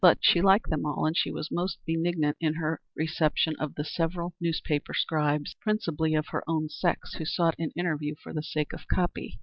But she liked them all, and she was most benignant in her reception of the several newspaper scribes, principally of her own sex, who sought an interview for the sake of copy.